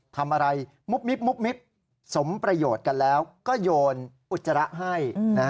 ทำอะไรมุบมิบมิบสมประโยชน์กันแล้วก็โยนอุจจาระให้